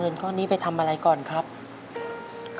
โดยโปรแกรมแม่รักลูกมาก